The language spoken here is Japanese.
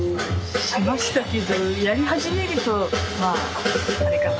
しましたけどやり始めるとまああれかな。